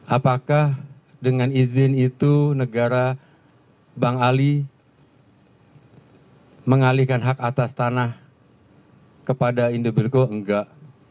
apakah dengan izin itu negara bang ali mengalihkan hak atas tanah kepada indobilco enggak